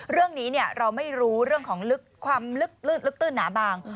เรื่องนี้เราไม่รู้เรื่องของลึกความลึกตื้นหนาบาง